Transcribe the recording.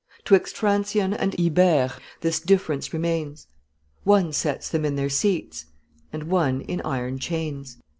'Twixt Francion and Ibere this difference remains: One sets them in their seats, and one in iron chains."